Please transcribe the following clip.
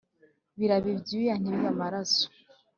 birabe ibyuya ntibibe amaraso